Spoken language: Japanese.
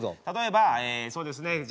例えばええそうですね。